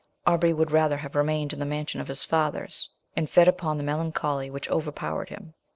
Aubrey would rather have remained in the mansion of his fathers, and fed upon the melancholy which overpowered him.